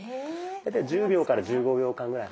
大体１０秒から１５秒間ぐらい。